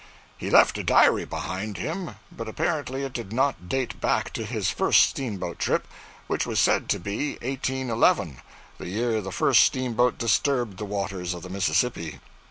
He left a diary behind him; but apparently it did not date back to his first steamboat trip, which was said to be 1811, the year the first steamboat disturbed the waters of the Mississippi.